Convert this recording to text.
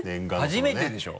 初めてでしょ？